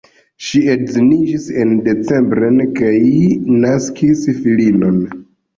Ŝi edziniĝis en Debrecen kaj naskis filinon.